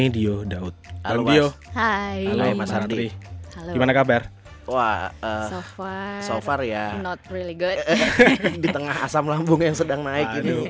di tengah asam lambung yang sedang naik ini